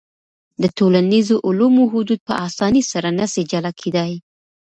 د ټولنیزو علومو حدود په اسانۍ سره نسي جلا کېدای.